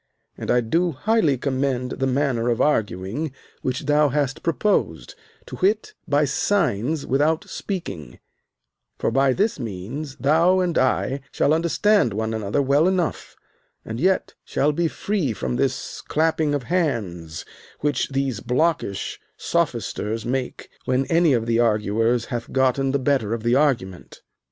And I do highly commend the manner of arguing which thou hast proposed, to wit, by signs without speaking; for by this means thou and I shall understand one another well enough, and yet shall be free from this clapping of hands which these blockish sophisters make when any of the arguers hath gotten the better of the argument.